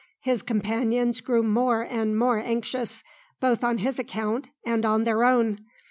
His companions grew more and more anxious, both on his account and on their own.